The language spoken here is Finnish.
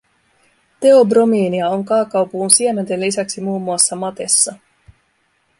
Teobromiinia on kaakaopuun siementen lisäksi muun muassa matessa